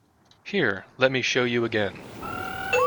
Here, let me show you again.